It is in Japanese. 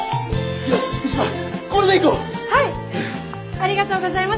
ありがとうございます。